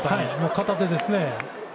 片手ですね。